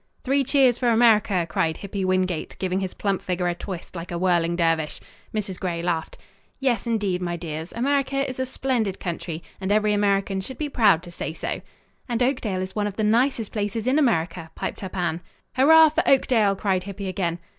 "Three cheers for America!" cried Hippy Wingate, giving his plump figure a twist like a whirling dervish. Mrs. Gray laughed. "Yes, indeed, my dears, America is a splendid country and every American should be proud to say so." "And Oakdale is one of the nicest places in America," piped up Anne. "Hurrah for Oakdale!" cried Hippy again.